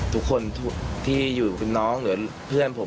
ทุกคนที่อยู่เป็นน้องหรือเพื่อนผม